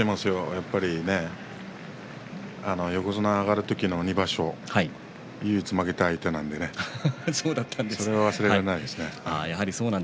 やっぱりね、横綱に上がる時の２場所唯一、負けた相手なのでそれは忘れられないですね。